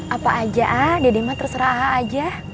apa aja ah dede mah terserah aja